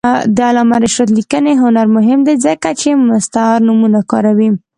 د علامه رشاد لیکنی هنر مهم دی ځکه چې مستعار نومونه کاروي.